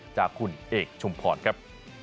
จากคุณเอกชุมพรครับ